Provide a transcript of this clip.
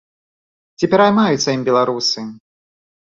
Ці пераймаюцца ім беларусы?